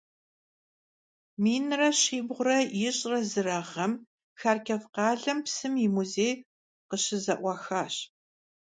Minre şibğure yiş're zıre ğem Xarkov khalem Psım yi muzêy khışıze'uaxaş.